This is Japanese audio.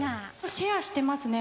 シェアしてますね。